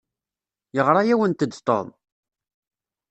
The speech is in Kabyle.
Yeɣra-awent-d Tom?